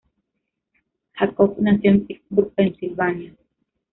Jacobs nació en Pittsburgh, Pensilvania.